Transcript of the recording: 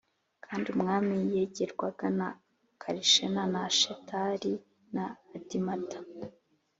kandi umwami yegerwaga na Karishena na Shetari na Adimata